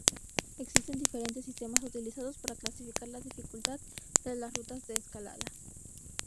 Existen diferentes sistemas utilizados para clasificar la dificultad de las rutas de escalada.